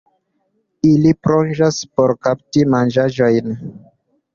Ili plonĝas por kapti manĝaĵojn.